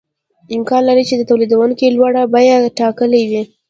امکان لري چې تولیدونکي لوړه بیه ټاکلې وي